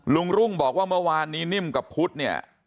รุ่งบอกว่าเมื่อวานนี้นิ่มกับพุทธเนี่ย